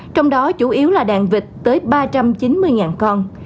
trong đó chủ yếu là đàn vịt tới ba trăm chín mươi con